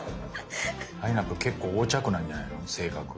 あいなぷぅ結構横着なんじゃないの性格が。